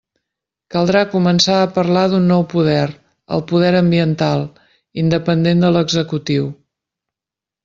Caldrà començar a parlar d'un nou poder, el poder ambiental, independent de l'executiu.